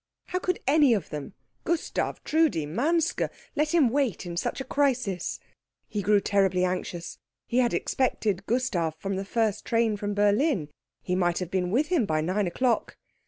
How could any of them Gustav, Trudi, Manske let him wait at such a crisis? He grew terribly anxious. He had expected Gustav by the first train from Berlin; he might have been with him by nine o'clock.